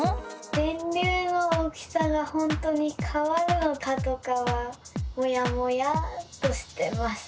電流の大きさがほんとにかわるのかとかはモヤモヤっとしてます。